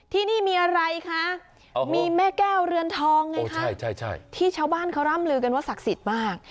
ที่นี่มีอะไรคะมีแม่แก้วเรือนทองไงคะที่ชาวบ้านเขาร่ำลือกันว่าศักดิ์สิทธิ์มาก